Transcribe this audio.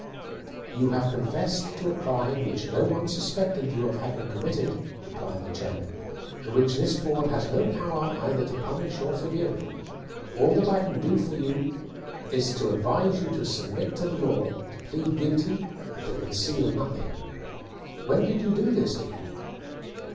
"You have confessed to a crime which no one suspected you of having committed," replied the chairman, "and which this board has no power either to punish or forgive. All that I can do for you it to advise you to submit to the law, to plead guilty, and to conceal nothing. When did you do this deed?"